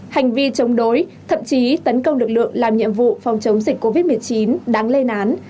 hành vi chống đối thậm chí tấn công lực lượng làm nhiệm vụ phòng chống dịch covid một mươi chín đáng lên án